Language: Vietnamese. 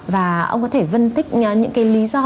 và ông có thể phân tích những cái lý do